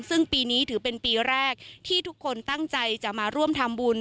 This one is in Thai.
ซึ่งปีนี้ถือเป็นปีแรกที่ทุกคนตั้งใจจะมาร่วมทำบุญ